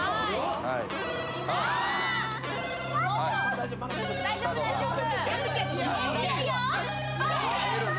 ・大丈夫大丈夫。